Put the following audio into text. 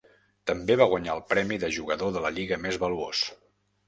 També va guanyar el premi de jugador de la lliga més valuós.